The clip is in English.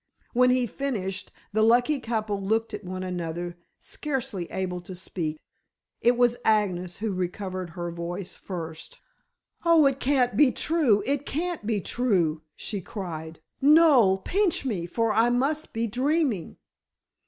When he finished the lucky couple looked at one another scarcely able to speak. It was Agnes who recovered her voice first. "Oh, it can't be true it can't be true," she cried. "Noel, pinch me, for I must be dreaming."